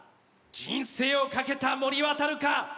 人生をかけた森渉か？